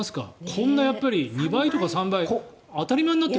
こんな２倍とか３倍当たり前になってる。